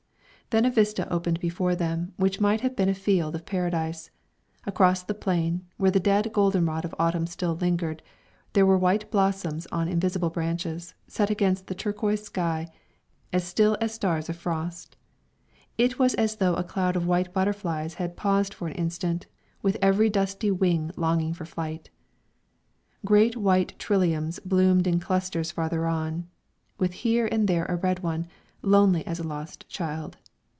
Then a vista opened before them, which might have been a field of Paradise. Across the plain, where the dead goldenrod of Autumn still lingered, there were white blossoms on invisible branches, set against the turquoise sky, as still as stars of frost. It was as though a cloud of white butterflies had paused for an instant, with every dusty wing longing for flight. Great white triliums bloomed in clusters farther on, with here and there a red one, lonely as a lost child.